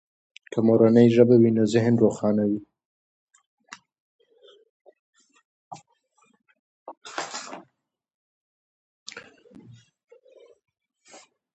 که مورنۍ ژبه وي نو ذهن روښانه وي.